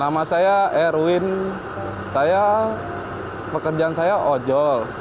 nama saya erwin pekerjaan saya ojo